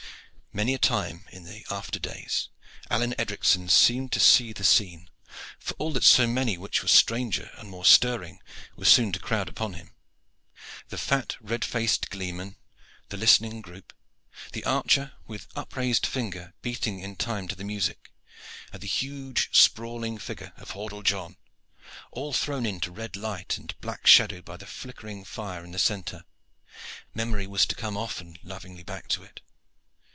Many a time in the after days Alleyne Edricson seemed to see that scene, for all that so many which were stranger and more stirring were soon to crowd upon him. The fat, red faced gleeman, the listening group, the archer with upraised finger beating in time to the music, and the huge sprawling figure of Hordle John, all thrown into red light and black shadow by the flickering fire in the centre memory was to come often lovingly back to it.